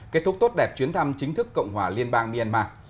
kết thúc tốt đẹp chuyến thăm chính thức cộng hòa liên bang myanmar